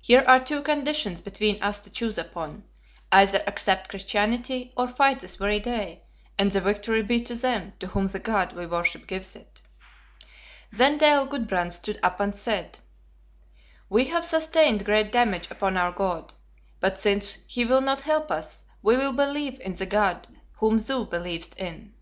Here are two conditions between us to choose upon: either accept Christianity, or fight this very day, and the victory be to them to whom the God we worship gives it.' "Then Dale Gudbrand stood up and said, 'We have sustained great damage upon our God; but since he will not help us, we will believe in the God whom thou believest in.'